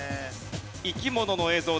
生き物の映像です。